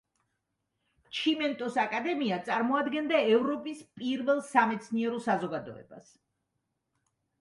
ჩიმენტოს აკადემია წარმოადგენდა ევროპის პირველ სამეცნიერო საზოგადოებას.